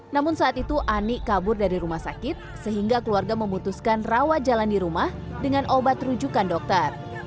namun saat itu ani kabur dari rumah sakit sehingga keluarga memutuskan rawat jalan di rumah dengan obat rujukan dokter